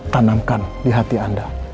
tanamkan di hati anda